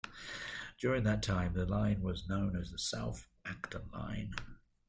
During that time, the line was known as the South Acton Line.